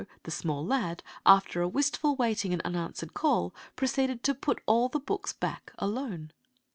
the small lad, after a wistful waiting and unanswered call, proceeded to put the books all back alone.